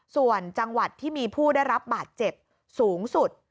ส่วนจังหวัดที่มีผู้ได้รับบาดเจ็บสูงสุด